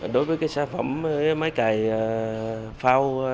đối với cái sản phẩm máy cày phao